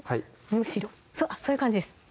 むしろそうそういう感じです